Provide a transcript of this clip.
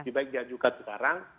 sebaik diajukan sekarang